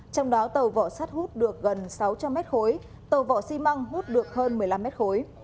trong đó tàu vỏ sắt hút được gần sáu trăm linh mét khối tàu vỏ xi măng hút được hơn một mươi năm mét khối